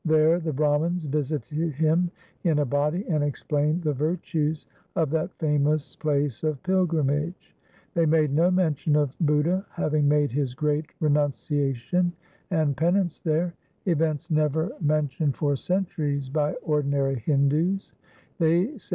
There the Brahmans visited him in a body, and explained the virtues of that famous place of pilgrimage. They made no mention of Budha having made his great renunciation and penance there — events never men streams in the world to wash away the sin.